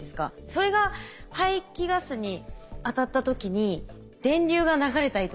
それが排気ガスに当たった時に電流が流れたりとかするんですか？